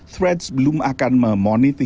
threads belum akan memonetisasi twitter